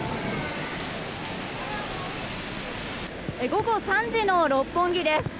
午後３時の六本木です。